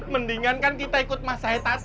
mendingan kita ikut masahid saja